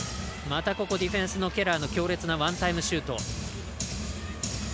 またディフェンスのケラーの強烈なワンタイムシュート。